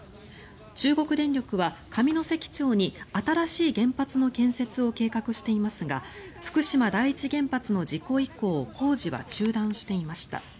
中国電力は上関町に新しい原発の建設を計画していますが福島第一原発の事故以降工事は中断していました。